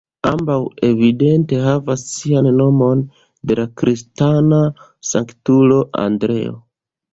Ambaŭ evidente havas sian nomon de la kristana sanktulo Andreo.